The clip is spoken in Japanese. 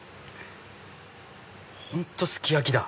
本当すき焼きだ！